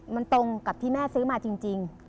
มันตรงกับที่แม่ซื้อมาจริง